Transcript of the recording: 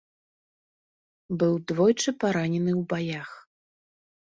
Быў двойчы паранены ў баях.